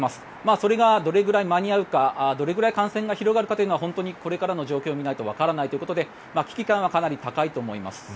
それがどれくらい間に合うかどれくらい感染が広がるかというのは本当にこれからの状況を見ないとわからないということで危機感はかなり高いと思います。